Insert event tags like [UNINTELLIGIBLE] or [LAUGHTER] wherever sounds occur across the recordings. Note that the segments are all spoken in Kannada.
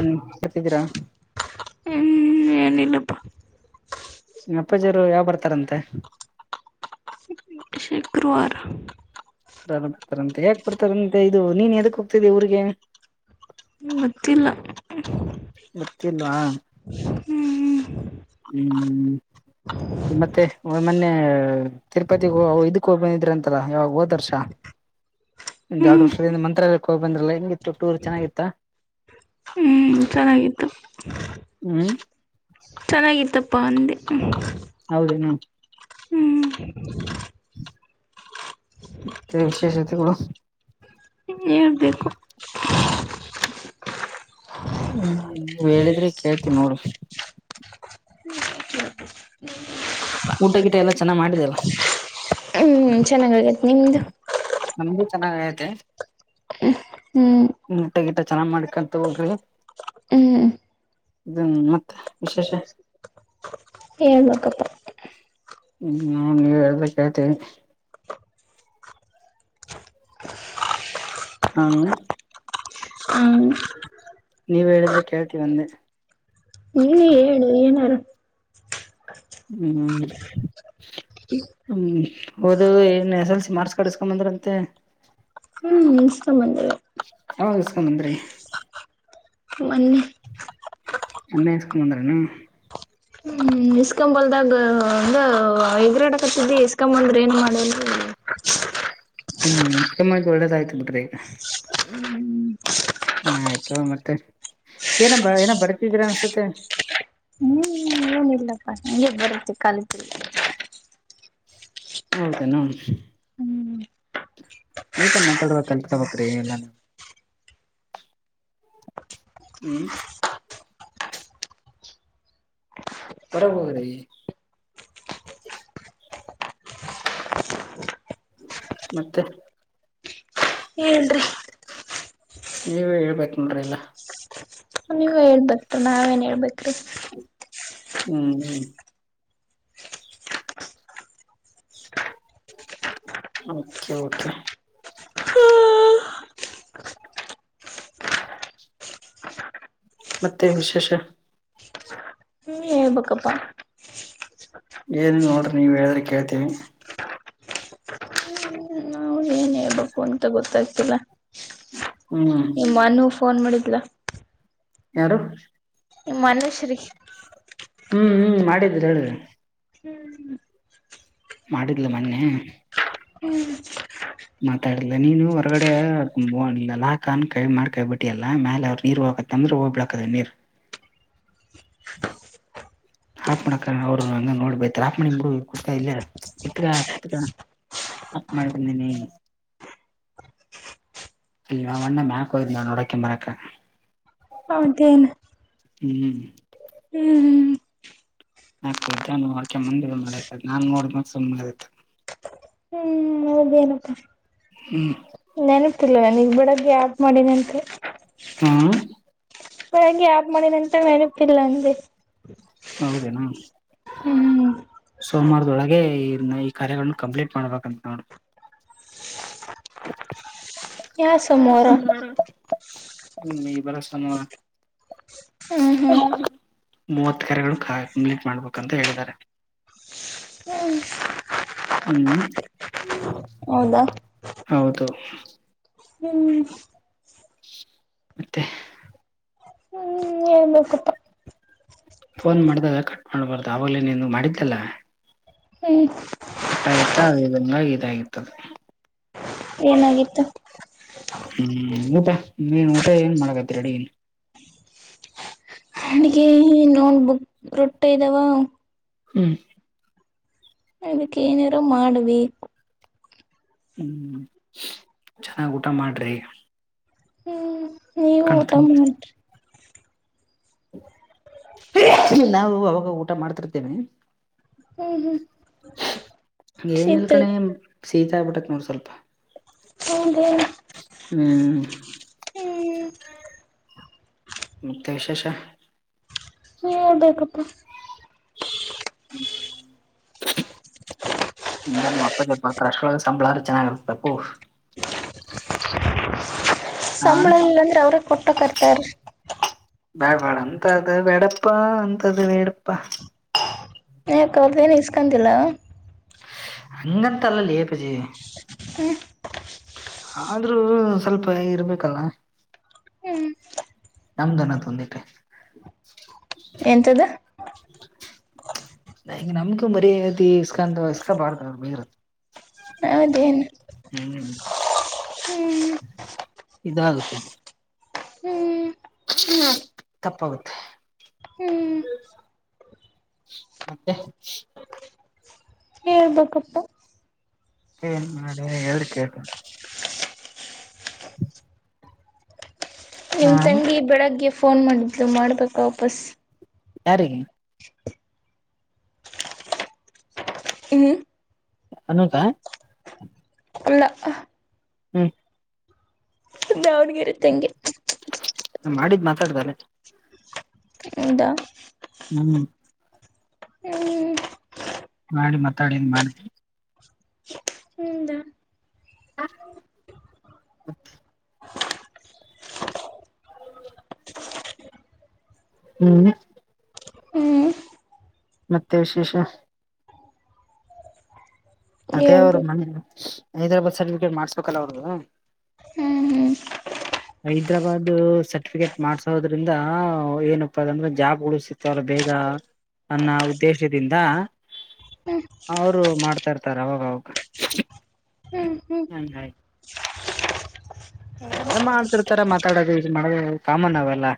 ಹ್ಮ್ ಕತಿದೀರಾ ಹ್ಮ್ ಏನ ಇಲ್ಲಪ್ಪ ಅಪ್ಪಾಜಿಯರು ಯಾವ್ ಬರ್ತಾರಂತೆ ಶುಕ್ರವಾರ ಡ್ತಾರಂತೆ ಯಾಕ್ ಬಡ್ತಾರಂತೆ ಇದು ನೀನ್ ಎದಕ್ ಹೋಗ್ತಿದ್ದಿ ಇಊ್ರಿಗೆ ಗೊತ್ತಿಲ್ಲ ಗತ್ತಿಲ್ವಾ ಹ್ಮಞ್ಮ ಹ್ಮ್ ಮತ್ತೆ ಮೊನ್ನೆ ತಿರುಪತಿಗೆ ಹ ಇದಕ್ಕ ಹೋಗ್ಬಂದಿದ್ರಂತಲ್ಲ ಯಾವಾಗ ಹೋದರ್ಷ ಒ ಎರಡು ಹ್ಮ್ ವರ್ಷದಿಂದ ಮಂತ್ರಾಲಕ್ಕೆ ಹೋಗಿ ಬಂದ್ರಲ್ಲಾ ಹೆಂಗಿತ್ತು ಟೂರ್ ಚೆನ್ನಾಗಿತ್ತ ಹ್ಮ್ ಚೆನ್ನಾಗಿತ್ತು ಹ್ಮ್ ಚೆನ್ನಾಗಿತ್ತಪ್ಪ ಅಂದೆ ಹೌದ ಹ್ಮ ಹ್ಮ್ ವಿಶೇಷತೆಗಳು ಹೇಳಳ್ಬೇಕು ಹ್ಮ್ ಹೇಳಿದ್ರಿ ಕೇಳ್ತೀವಿ ನೋಡ್ರಿ ಊಟ ಗಿಟ ಎಲ್ಲಾ ಚೆನ್ನಾಗಿ ಮಾಡಿದೆಲ್ಲ ಹ್ಮ್ ಚೆನ್ನಾಗಗೈತ್ ನಿಮ್ದು ನಮು ಚೆನ್ನಾಗ ಐತೆ [UNINTELLIGIBLE] ಊಟ ಗಿಟ ಚೆನ್ನಗಿ ಮಾಡ್ಕಂತ ಹೋಗ್ರಿ [UNINTELLIGIBLE] [UNINTELLIGIBLE] ಮತ್ತ ವಿಶೇಷ [INAUDIBLE] ನೀವ್ ಹೆಳದಂಗ ಕೆಳ್ತಿವಿ ಹ್ಮ ಹ್ಮ್ [UNINTELLIGIBLE] ನೀವ್ ಹೇಳಿದ್ರೆ ಕೇಳ್ತೀವಿ ಅಂದೆ ನೀನೇ ಹೇಳು ಏನಾರು ಹ್ಮ್ [UNINTELLIGIBLE] ಒದದು ಏನ್ S S L C marks card ಇಸ್ಕೊಂಡ ಬಂದ್ರಂತೆ. ಹ್ಮ್ ಇಸ್ಕೊ ಬಂದೆ. ಯಾವಾಗ ಇಸ್ಕೊಂಡ್ ಬಂದ್ರಿ [UNINTELLIGIBLE] ಮೊನ್ನೆ ಇಸ್ಕೊಂಡ್ ಬಂದ್ರೇನು? ಇಸ್ಕೊ ಬಾರ್ದಾಗ [UNINTELLIGIBLE] ಎಗ್ರಾಡಕತ್ತಿದ್ದಿ ಇಸ್ಕೊ ಬಂದ್ರ ಏನ್ ಮಾಡಲ್ರಿ. ಹ್ಮ್ ಇಸ್ಕೊಬಂದಿದು ಒಳ್ಳೇದಾಯ್ತು ಬಿಡ್ರಿ. ಆಯ್ತು ಮತ್ತೆ ಏನ ಬ ಏನ ಬರಿತ್ತಿದಿರಾ ಅನ್ಸುತ್ತೆ. ಇಲ್ಲಪ್ಪ ಹಂಗೆ ಬರುತ್ತೆ ಕಲಿತ ಹೌದೆನು. ಹ್ಮ್ ನಿಟಾಗಿ ಮಾತಾಡಕ ಕಲ್ತ್ಕೋಬೇಕರಿ ಎಲ್ಲಾನು. ಹ್ಮ್ ಹೊರಗ ಹೋಗ್ ರಿ ಮತ್ತೆ ಹೇಳ್ರಿ ನೀವೆ ಹೇಳ್ಬೇಕ ನೊಡ್ರಿ ಎಲ್ಲ. ಹೇಳ್ಬೇಕು ನಾವೇನ್ ಹೇಳ್ಬೇಕ್ರಿ. [UNINTELLIGIBLE] [UNINTELLIGIBLE] ಓಕೆ ಓಕೆ ಮತ್ತೆನ ವಿಶೇಷ. ಹೆಳಬೆಕಪ್ಪಾ ಏನಿಲ್ಲ ನೋಡ್ರಿ ನೀವು ಹೇಳಿದ್ರೆ ಕೇಳ್ತೀವಿ. ನಾವು [UNINTELLIGIBLE] ಅಂತ ಗೊತ್ತಾಗ್ತಿಲ್ಲ ಹ್ಮ್ ನಿಮ್ಮಾನೂ ಫೋನ್ ಮಾಡಿದ್ಲ? ಯಾರು? ನಿಮ್ಮ ಅನುಶ್ರೀ. ಹ್ಞೂ ಹ್ಞೂ ಮಾಡಿದ್ರಿ ಹೇಳ್ರಿ. ಹ್ಮ್ [UNINTELLIGIBLE] ಮಾಡಿದ್ಲು ಮೊನ್ನೆ ಹ್ಮ್ ಹ್ಮ್ ಮಾತಾಡಿಲ್ಲ ನೀನು ಹೊರಗಡೆ ಲಾಕ್ ಅನ್ ಕೈ ಮಾಡ್ ಕೈಬಿಟ್ಟಿ ಅಲ್ಲ ಮ್ಯಾಲೆ ಅವ್ರರು ನೀರು ಹೊಗಕ [UNINTELLIGIBLE] [UNINTELLIGIBLE] ನೀರ್ [UNINTELLIGIBLE] ಹಾಪ್ ಮಾಡಕ ಅವ್ರು ಹಂಗ ನೋಡ್ ಬೈತಾರೆ ಹಾಪ್ ಮಡಿನಬಿಡು ಕುತ್ಕ ಇಲ್ಲೆ ಕುತ್ಕ ಕುತ್ಕ ಹಪ್ ಮಾಡ್ಬಾಂದಿನಿ ಅವಣ್ಣ ಮ್ಯಾಕ್ ಹೋದ್ರು ನೋಡಕ್ಯನ್ ಬರಕ್ಕ ಹೌದೇನು ಹ್ಮ್ ಹ್ಮ್ ಮ್ಯಾಕ ಹೊಗಿದ ನೋಡ್ಕೆ ಬಂದಿ ಇದನ ಮಾಡಿದ ನಾ ನೋಡ್ದಿಮೇಲೆ ಸುಮನೆ ಆದೆ ಅತ್ತ. ಹೌದೇನಪ್ಪ ಹ್ಮ್ ನೆನಪಿಲ್ಲ ನಿಂಗ್ ಬಿಡಲೆ ಅಪ್ ಮಾಡಿದೆ ಅಂದ್ರಿ. ಹಾ ಬೆಳಗ್ಗೆ ಆಫ್ ಮಾಡಿದ ಅಂತ ನೆನಪಿಲ್ಲ ಅಂದೆ. ಹೌದೇನು ಹ್ಮ್ ಸೋಮವಾರದೊಳಗೆ ಈ ಈ ಕಾರ್ಯಗಳನ್ನ ಕಂಪ್ಲೀಟ್ ಮಾಡ್ಬೇಕಂತ ನೋಡು ಯಾವ ಹಏ ಸೋಮವಾರ ಸಾರ ಹ್ಮ ಮ ಬರ ಸೋರ ಹ್ಮ್ ಹ್ಮ್ ಮೂವತ್ ಕೆರೆಗಳು ಮೀಟ್ ಮಾಡ್ಬೇಕಂತ ಹೇಳಿದ್ದಾರೆ ಹ್ ಹ್ಮ್ ಹೌದಾ ಹೌದು ಹ್ಮ್ ಮತ್ತೆ ಹ್ಮ್ ಹೇಳ್ಬೇಕಪ್ಪ ಫೋನ್ ಮಾಡಿದಾಗ ಕಟ್ ಮಾಡ್ಬಾರ್ದು ಆವಾಗಲೇ ನೀನು ಮಾಡಿದ್ದಲ್ಲ ಎ ಕಟ್ಟಾಗಿತ್ತ ಆಂಗ ಇದಾಗಿತದೆ ಏನಾಗಿತ್ತು ಹ್ಮ್ ಊಟ ನೀನ್ ಊಟ ಏನ್ ಮಾಡಳಗತ್ ಅಡಿನ್ ಹ್ಮ್ ನೋಟ್ ಬುಕ್ ರೊಟ್ಟ ಇದ್ದಾವ ಹ್ಮ್ ಇದಕ್ಕ ಏನಿಾರೋ ಮಾಡವಿ ಹ್ಮ್ ಚೆನ್ನಾಗಿ್ ಊಟ ಮಾಡ್ರಿ ಹ್ಮ್ ನೀವು ಊಟ ಕಣ್ತುಂಬ ಮಾಡ್ರಿ ನಾವು ಅವಾಗ ಊಟ ಮಾಡ್ತಿರ್ತೇವೆ ಹ್ಮ್ ಹ್ಮ್ ಏನ್ ನಿಲ್ಕಣಿ ಸಿಗ್ತೇವೆ ಸೀತಾ ಆಬಿಟ್ಟಕ್ ನೋಡ ಸ್ವಲ್ಪ ಹದ ಹ್ಮ್ ಮತ್ತ ವಿಶೇಷ ನೀವ್ ಹೇಳ್ಬೇಕಪ್ಪ ಹ್ಮ್ ಹಂಗ ನಿಮ್ಮ ಅಪ್ಪ ಜಪಾ ಕ್ರಷ್ಟೊಳ ಸಂಬಳಾರ ಚೆನ್ನಾಗಿರ್ಬೇಕು ಹಾ ಸಂಬಳ ಇಲ್ಲಾಂದ್ರೆ ಅವ್ರ ಕೊಟ್ಟಕರ್ತಾರ ಬ್ಯಾಳ್ಬಳ ಅಂತದ ವೇಡಪ್ಪ ಅಂತ್ದ ವೇಡಪ್ಪ ನೀ ಕಲ್ದೇನು ಇಸ್ಕೊಂತಿಲ್ಲ ಹಂಗಂತ ಅಲ್ಲಲ್ಲಿಪಜಿ ಹ್ಮ ಆದ್ರೂ ಸ್ವಲ್ಪ ಇರ್ಬೇಕಲ್ಲ ಹ್ಮ್ ನಮ್ದನ್ನ ತೊಂದೆ ಎಂತದ ನ ಈಗ ನಮ್ಗು ಮರತಿ ಇಸ್ಕಾಂತ ಇಸ್ಕಾ ಬಾರ್ದ ಅವ ಬತ್ತ ಹ್ಮ ಹೌದೇನು ಹ್ಮ್ ಹ್ಮ್ ಇದಾಗದೆ ಹ್ಮ್ ಹ ತಪ್ಪಾಗುತ್ತೆ ಹ್ಮ್ ಮತ್ತೆ ಹೇಳ್ಬೇಕಪ್ಪ ಏನ್ ನ ನ ಹೇಳ್ರಿ ಕೇಳ್ತ ಹಾ ನಿಮ್ಮ ತಂಗಿ ಬೆಳಗ್ಗೆ ಫೋನ್ ಮಾಡಿದ್ಲು ಮಾಡ್ಬೇಕಾ ವಾಪಸ್ ಯಾರಿಗೆ ಹುಂ ಅನುತಾ ಇಲ್ಲ ಹಾ ಹುಂ ದಾವಣಗೆರೆ ತಂಗಿ ಮಾಡಿದ್ ಮಾತಾಡದಾ ಲೇ ಹೌದಾ ಹುಂ ಹುಂ ಮಾಡಿ ಮಾತಾಡಿನ ಮಾಡಿ ಹ್ಮದ [UNINTELLIGIBLE] ಹುಂ ಹ್ಮ್ ಮತ್ತೆ ವಿಶೇಷಾ ಅದೇ ಅವ್ರು ಹೇಳ್ಬೇಕು ಮನೆ ಹೈದರಾಬಾದ್ ಸರ್ಟಿಫಿಕೇಟ್ ಮಾಡ್ಸ್ಬೇಕಲ್ಲ ಅವ್ರದು ಹ್ಮ್ ಹೈದ್ರಾಬಾದ್ ಸರ್ಟಿಫಿಕೇಟ್ ಮಾಡ್ಸೋದ್ರಿಂದ ಏನಪ್ಪ ಅದಂದ್ರೆ ಜಾಬ್ ಗಳು ಸಿತವಲ್ಲಾ ಬೇಗಾ ಅನ್ನ್ ಉದ್ದೇಶದಿಂದ ಅವರು ಮಾಡ್ತಾ ಇರ್ತಾರ ಅವಾಗ ಅವಾಗ ಹುಂ ಹುಂ ಮಾಡತಿರ್ತಾರ ಮಾತಾಡೋದು ಇ ಮಾಡ ಕಾಮನ್ ಅವೆಲ್ಲಾ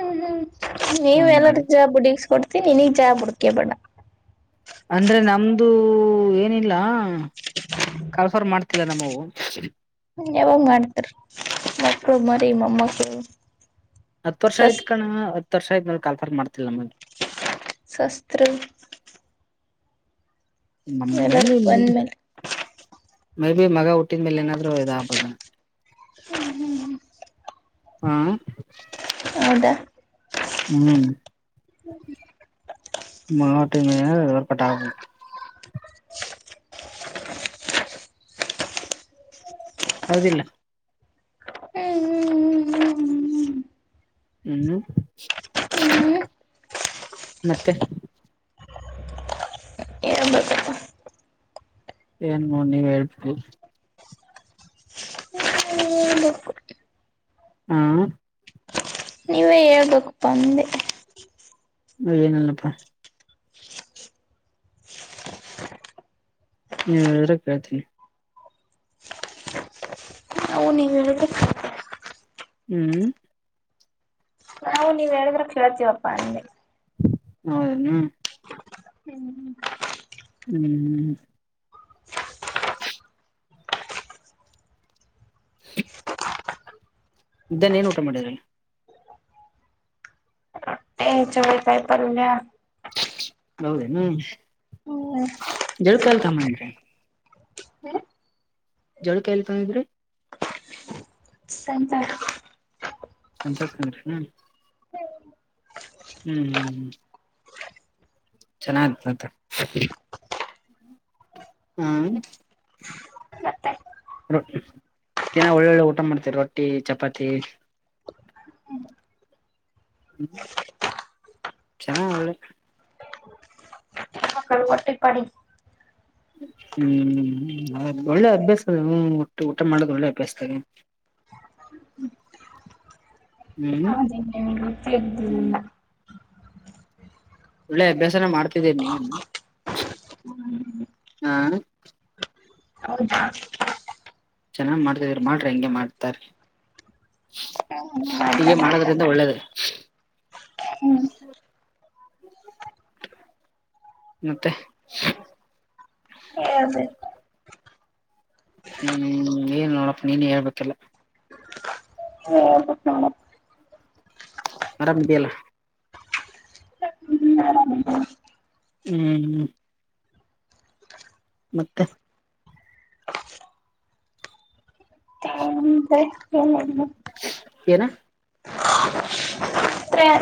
ಹುಂ ಹುಂ ನೀವ್ ಎಲ್ಲಾರ ಹಂಗಾಗಿ ಜಾಬ್ ಹುಡಗಿಸ ಕೊಡತ್ತಿ ನೀನಗ ಜಾಬ್ ಹುಡುಕ ಬೇಡಾ ಅಂದ್ರೆ ನಮ್ದು ಏನಿಲ್ಲಾ ಕನಪ್ರ್ ಮಾಡ್ತಿಲ್ಲ ನಮ್ಮವು ಯಾವಾಗ ಮಾಡ್ತರಿ ಮಕ್ಕಳು ಮರಿ ಮೊಮ್ಮಕ್ಕಳು ಹತ್ತ ವರ್ಷ ಸ್ವಸ್ ಆಯ್ತ ಕಣ್ಣೊ ಹತ್ ವರ್ಷ ಆಯ್ ನೊಡ ಕಾಲ್ ಫಾರ್ ಮಾಡ್ತಿಲಾ ನಮಗೆ ಶಸ್ತ್ರ ರೀ ಎಲ್ಲಾರ ಇಲ್ಲಿ ಮ ಬಂದ್ಮೇಲೆ ಮೇ ಬಿ ಮಗ ಹುಟ್ಟಿದ ಮೇಲೆ ಏನಾದ್ರು ಇದ ಆಗಬಹುದೇ ನೋ ಹುಂ ಹುಂ ಹಾ ಹೌದಾ ಹುಂ [UNINTELLIGIBLE] ಹೌದಿಲ್ಲ್ ಹ್ಮ್ ಹ್ಮ್ ಹುಂ ಹ್ಮ್ [INAUDIBLE] ಮತ್ತೆ [UNINTELLIGIBLE] ಏನ್ ನೋಡ ನೀವ್ ಹೇಳ್ಬೇಕು [INAUDIBLE] ಹುಂ ನೀನೇ ಹೇಳ್ಬೇಕಪ್ಪಾ ಅ ಏನಿಲ್ಲಾ ಪ್ಪಾ ನೀವ್ ಹೇಳಿದ್ರೆ ಕೇಳ್ತೀನಿ. ನಾವು ನೀವ್ ಹೇಳಿದ್ರೆ ಕೇಳ್ತೀವಿ ಹುಂ ನಾವು ನೀವ್ ಹೇಳ [UNINTELLIGIBLE] ಕೇಳ್ತೀವಪ್ಪ ಅಂದೆ ಹೌದ ದೇನು ಹ್ಮ್ [UNINTELLIGIBLE] ಮಧ್ಯಾಹ್ನ ಏನು ಊಟ ಮಾಡಿದ್ರಿ ಚವ್ಳೇಕಾಯಿ ಪರಲ್ಲ ಹೌದೇನೋ ಹ್ಮ ಹ್ಮ್ ಎಲ್ಲಿ ಕಲ್ತ ಬಂದಿದ್ರಿ ಜೋಳ ಕಾ ತಂದಿದ್ರಿ ಸಂತ್ಯಾಗ್ ಅಂತ ಕನಸು ಹ ಹ್ಮಞ ಹ್ಮ್ ಹ್ ಚೆನ್ನಾಗಿ ಮಾತಾಡೋದು ಹ್ಮ್ ಮತ್ತೆ ರೊಟ್ಟಿ ದಿನ ಒಳ್ಳೊಳ್ಳೆ ಊಟ ಮಾಡ್ತೇವಿ ರೊಟ್ಟಿ ಚಪಾತಿ ಹ್ಮ್ ಚೆನ್ನಾಗ ಒಳ್ಳೆ ಹೊಟ್ಟೆ ಪಾಡಿಗೆ ಹ್ಮ್ ಒಳ್ಳೆ ಅಭ್ಯಾಸ ಅದ ಊ ಊಟ ಮಾಡೋದು ಒಳ್ಳೆ ಅಭ್ಯಾಸ ಅದೆ ಹ್ಞ...... ಹ ಮತ್ತೆ ಇದ್ದಿಲ್ಲ ಒಳ್ಳೆ ಅಭ್ಯಾಸನ ಮಾಡ್ತಿದ್ದೀ ನೀಗನು ಹಾ ಹೌದಾ ಚೆನ್ನಾಗ ಮಾಡ್ತಿದಿ ಮಾಡ್ರಿ ಹ ಹೆಂಗೆ ಮಾಡ್ತಾರ ಮಾಡ್ತಾ ಹೀಗೆ ಮಾಡ್ತಾ ಮಾಡೋದಕ್ಕಿಂತ ಒಳ್ಳೇದು ಹ್ಮ್ ಮತ್ತೆ ದು ಹ್ಮ್ ಏನ್ ನೋಡಪ್ಪ ನೀನ್ ಹೇಳ್ಬೇಕಿಲ್ಲ ಹ್ಮ ಹ್ಮ ಆರಾಮ್ ಇದಿದೆಯಲ್ಲ ಹ್ಮ್ ಮತ್ತೆ ಹೂ ಹ ಏನ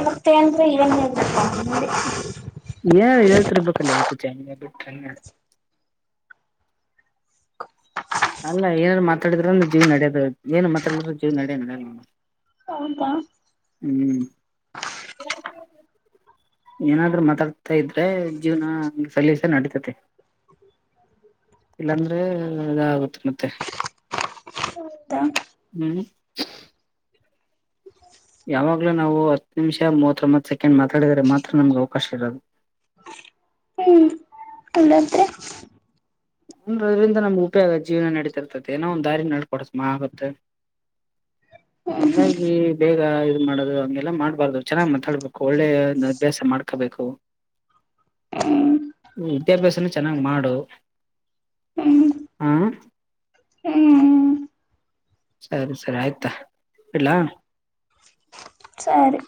ಮತ್ತೆ ಅಂದ್ರೆ ಇವನ್ ಹೇಳ್ಬೇಕ ಏ ಹೇಳ್ತಿರ್ಬೇಕಲ್ಲ ಏ ಪುಚೆ ಬಿ ಅಲ್ಲ ಏನಾದ್ ಮಾತಾಡಿದ್ರ ಜೀವ ನಡೋದ ಏನ್ ಮಾತಾಡಿದ್ರರು ಜೀವ ನಡ ನಡೋ ಹೌದಾ... ಹ್ಮ್.... ಏನಾದ್ರೂ ಮಾತಾಡ್ತಾ ಇದ್ರೆ ಜೀವನ..... ಸಲಸ ನಡತತೆ ಇಲ್ಲಾಂದ್ರೆ..... ಇದ ಆಗುತ್ತೆ ಮತ್ತೆ ಹೌದಾ ಹ್ಮ್ ಯಾವಾಗ್ಲೂ ನಾವು ಹತ್ತು ನಿಮಿಷ ಮೂವತ್ತೊತ್ ಸೆಕೆಂಡ್ ಮಾತಾಡಿದರೆ ಮಾತ್ರ ನಮ್ಗೆ ಅವಕಾಶ ಇರೋದು ಹ್ಮ್.... ಇಲ್ಲಾಂದ್ರೆ... ಅಂದ್ರ ಅದ್ರಿಂದ ನಮ್ ಉಪಯೋಗ ಜೀವನ ನಡೀತಿರ್ತತಿ ಏನೋ ಒಂದು ದಾರಿ ನಡ್ಕಡಸ ಆಗತ್ತೆ ಹಂಗಾಗಿ ಬೇಗ ಇದ್ ಮಾಡದು ಹಗೆಲ್ಲ ಮಾಡ್ಬಾರ್ದು ಚೆನ್ನಾಗ್ ಮಾತಾಡ್ಬೇಕು ಒಳ್ಳೆ ಅಭ್ಯಾಸ ಮಾಡ್ಕು ಮಾಡಬೇಕು ವಿದ್ಯಾಭ್ಯಾಸನ ಚೆನ್ನಾಗಿ್ ಮಾಡು ಹ್ಮ್ ಹ್ಮ್ ಹ್ಮ್ ಸರಿ ಸರಿ ಆಯ್ತಾ ಇಲ್ಲಾ ಸರಿ